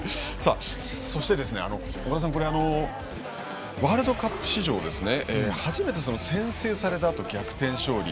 そして、岡田さんワールドカップ史上初めて先制されたあと逆転勝利